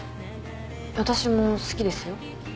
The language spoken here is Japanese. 私も好きですよ。